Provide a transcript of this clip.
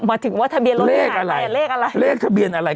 หมายถึงว่าทะเบียนรถเลขอะไรอ่ะเลขอะไรเลขทะเบียนอะไร